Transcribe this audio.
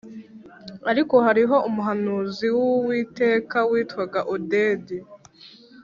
Ariko hariyo umuhanuzi w Uwiteka witwaga Odedi